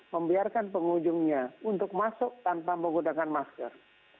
membiarkan pengunjungnya untuk masuk tanpa menggunakan masker